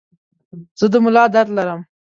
زه د ملا درد لرم.